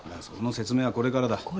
その説明はこれからだ。